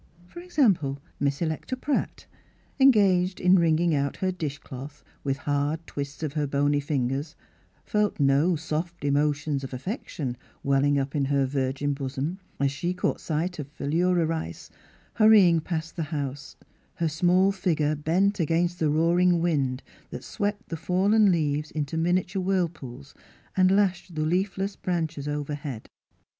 For example, Miss Electa Pratt, en gaged in wringing out her dish cloth, with hard twists of her bony fingers, felt no soft emotions of affection welling up in her virgin bosom as she caught sight of Philura Rice hurrying past the house, her small figure bent against the roaring wind that swept the fallen leaves into miniature whirlpools, and lashed the leafless branches overhead.